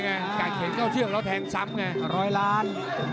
กาแขนเจ้าเชือกแล้วแทงซ้ำร้อยล้าน